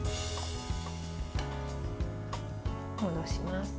戻します。